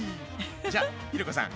じゃひろ子さん